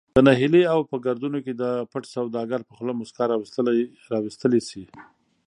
د نهیلي او په گردونو کی د پټ سوداگر په خوله مسکا راوستلې شي